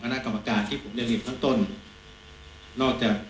ขณะกรรมการที่ผมเลือกเห็นทั้งทุน